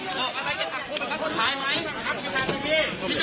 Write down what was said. สิ่งหนึ่งที่ทำให้วันนี้